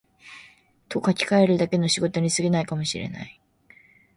と書きかえるだけの仕事に過ぎないかも知れない